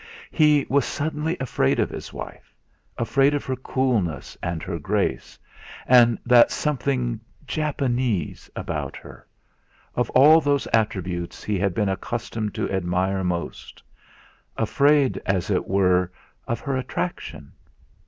He was suddenly afraid of his wife, afraid of her coolness and her grace, and that something Japanese about her of all those attributes he had been accustomed to admire most; afraid, as it were, of her attraction.